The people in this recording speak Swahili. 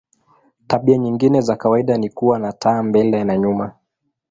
Tabia nyingine za kawaida ni kuwa na taa mbele na nyuma.